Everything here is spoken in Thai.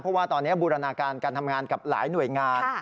เพราะว่าตอนนี้บูรณาการการทำงานกับหลายหน่วยงาน